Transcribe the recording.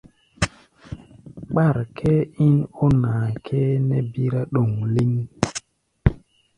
Kpár kʼɛ́ɛ́ ín ó naa kʼɛ́ɛ́ nɛ́ bírá ɗoŋ lɛ́ŋ.